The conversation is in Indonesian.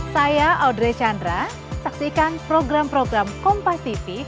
saya audrey chandra saksikan program program kompativity